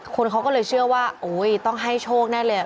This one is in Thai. คนเขาก็เลยเชื่อว่าต้องให้โชคแน่เลย